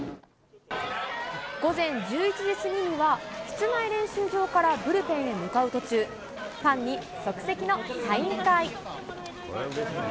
午前１１時過ぎには、室内練習場からブルペンへ向かう途中、ファンに即席のサイン会。